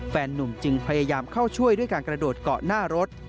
นุ่มจึงพยายามเข้าช่วยด้วยการกระโดดเกาะหน้ารถ